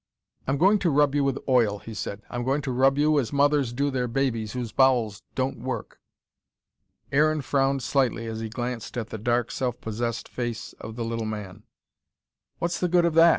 "I'm going to rub you with oil," he said. "I'm going to rub you as mothers do their babies whose bowels don't work." Aaron frowned slightly as he glanced at the dark, self possessed face of the little man. "What's the good of that?"